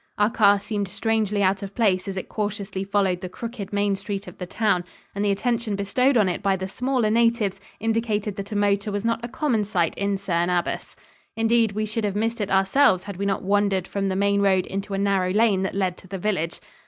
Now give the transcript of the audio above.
Our car seemed strangely out of place as it cautiously followed the crooked main street of the town, and the attention bestowed on it by the smaller natives indicated that a motor was not a common sight in Cerne Abbas. Indeed, we should have missed it ourselves had we not wandered from the main road into a narrow lane that led to the village.